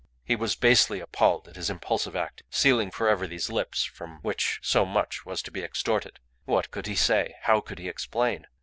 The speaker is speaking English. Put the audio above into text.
He was basely appalled at his impulsive act, sealing for ever these lips from which so much was to be extorted. What could he say? How could he explain?